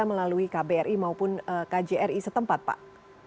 melalui kbri maupun kjri setempat pak